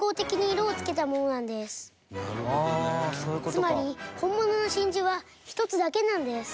つまり本物の真珠は１つだけなんです。